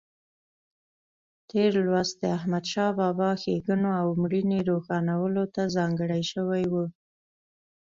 تېر لوست د احمدشاه بابا ښېګڼو او مړینې روښانولو ته ځانګړی شوی و.